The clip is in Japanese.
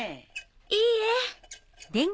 いいえ。